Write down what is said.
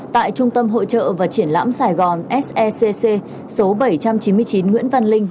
tại trung tâm hội trợ và triển lãm sài gòn secc số bảy trăm chín mươi chín nguyễn văn linh